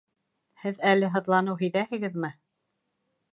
Һеҙ әле һыҙланыу һиҙәһегеҙме?